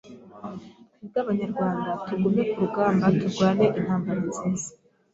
twebwe Abanyarwanda. Tugume ku rugamba, turwane intambara nziza